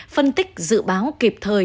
phân tích dự báo kịp thời